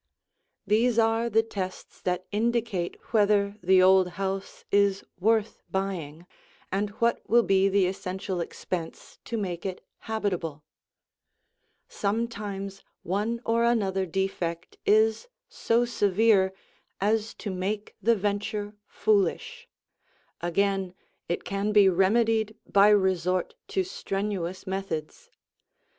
These are the tests that indicate whether the old house is worth buying and what will be the essential expense to make it habitable. Sometimes one or another defect is so severe as to make the venture foolish; again it can be remedied by resort to strenuous methods.